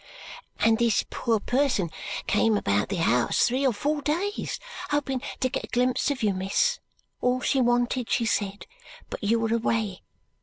"And this poor person came about the house three or four days, hoping to get a glimpse of you, miss all she wanted, she said but you were away.